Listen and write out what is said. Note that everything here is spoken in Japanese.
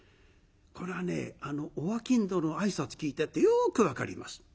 これはねお商人の挨拶聞いてるとよく分かります。